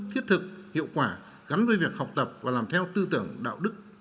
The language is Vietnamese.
thiết thực hiệu quả gắn với việc học tập và làm theo tư tưởng đạo đức